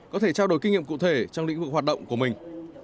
có thể trao đổi kinh nghiệm cụ thể trong lĩnh vực hoạt động của mình